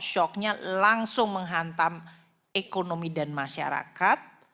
shocknya langsung menghantam ekonomi dan masyarakat